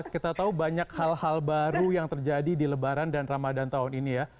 kita tahu banyak hal hal baru yang terjadi di lebaran dan ramadan tahun ini ya